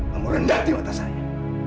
kamu rendahkan mata saya